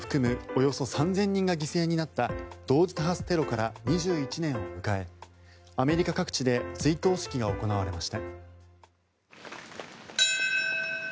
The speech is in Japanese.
およそ３０００人が犠牲になった同時多発テロから２１年を迎えアメリカ各地で追悼式が行われました。